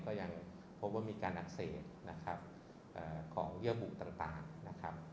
ก็ยังพบว่ามีการอักเสบนะครับของเยื่อบุต่างนะครับ